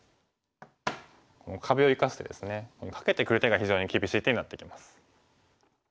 この壁を生かしてですねカケてくる手が非常に厳しい手になってきます。